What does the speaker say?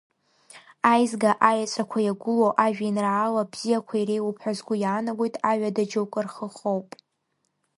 Аизга Аеҵәақәа иагәылоу ажәеинраала бзиақәа иреиуоуп ҳәа сгәы иаанагоит Аҩада џьоук рхы хоуп…